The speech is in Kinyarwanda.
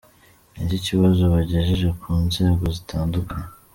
Ni ikibazo bagejeje ku nzego zitandukanye.